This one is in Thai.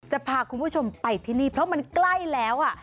จะพาคุณผู้ชมไปที่นี่เพราะมันใกล้แล้วอ่ะ